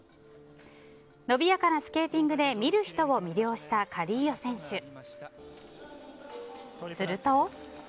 伸びやかなスケーティングで見る人を魅了したカリーヨ選手。